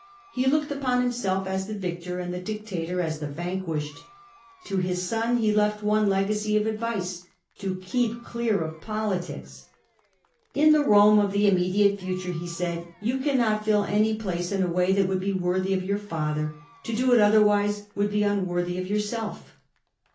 He looked upon himself as the victor, and the dictator as the vanquished. To his son he left one legacy of advice — to keep clear of politics. In the Eomo of the immediate future, he said, ''you can not fill any place in a way that would be worthy of your father; to do it otherwise would be unworthy of yourself."